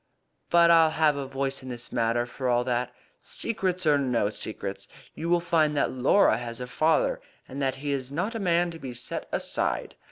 "But I'll have a voice in the matter, for all that. Secrets or no secrets, you will find that Laura has a father, and that he is not a man to be set aside.